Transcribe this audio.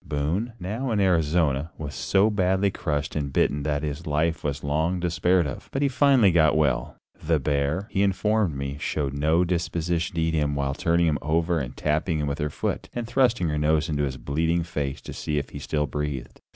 Boone, now in Arizona, was so badly crushed and bitten that his life was long despaired of, but he finally got well. The bear, he informed me, showed no disposition to eat him while turning him over and tapping him with her foot and thrusting her nose into his bleeding face to see if he still breathed.